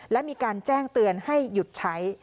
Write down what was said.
และมีการแจ้งเตือนให้หยุดใช้